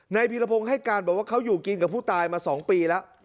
พีรพงศ์ให้การบอกว่าเขาอยู่กินกับผู้ตายมา๒ปีแล้ว